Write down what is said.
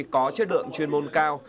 có chất lượng chuyên môn cao